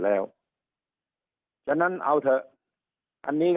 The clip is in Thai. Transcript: สุดท้ายก็ต้านไม่อยู่